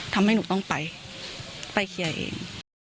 ทำให้หนูต้องไปไปเคลียร์เอง